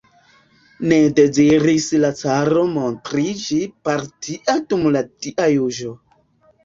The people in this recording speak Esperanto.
Ne deziris la caro montriĝi partia dum la Dia juĝo.